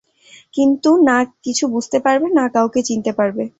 কিন্তু না কিছু বুঝতে পারবে না কাউকে চিনতে পারবে।